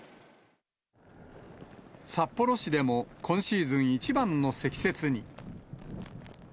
札幌市でも、今シーズン一番の積雪に。